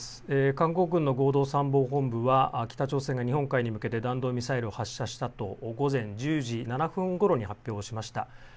韓国軍の合同参謀本部は北朝鮮が日本海に向けて弾道ミサイルを発射したと午前１０時７分ごろに発表しました。